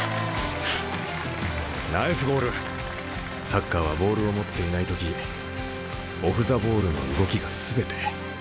サッカーはボールを持っていない時オフ・ザ・ボールの動きが全て。